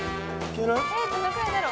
どのくらいだろう？